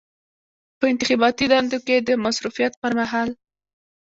په انتخاباتي دندو کې د مصروفیت پر مهال.